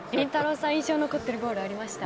さん印象に残っているゴールはありましたか？